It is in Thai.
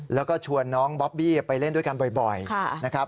แล้วก็ชวนน้องบอบบี้ไปเล่นด้วยกันบ่อยนะครับ